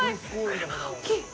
車大きい。